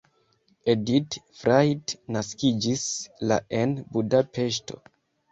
Edit Frajt naskiĝis la en Budapeŝto.